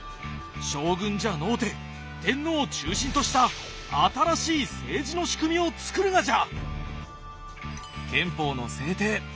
将軍じゃのうて天皇を中心とした新しい政治の仕組みを作るがじゃ！